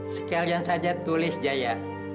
sekalian saja tulis jaya